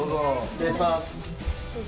失礼します！